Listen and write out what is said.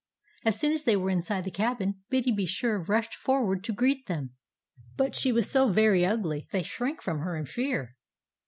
As soon as they were inside the cabin, Biddy be sure rushed forward to greet them. But she was so very ugly that they shrank from her in fear.